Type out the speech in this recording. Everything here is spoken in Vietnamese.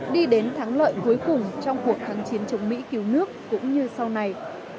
đi đến thắng lợi cuối cùng trong cuộc kháng chiến chống mỹ cứu nước cũng như sau này